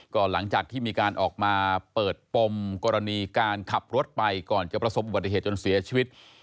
ก็หลังจากที่มีการออกมาเปิดปมกรณีการขับรถไปก่อนจะประสบอุบัติเหตุจนเสียชีวิต